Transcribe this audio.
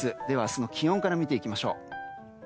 では明日の気温から見ていきましょう。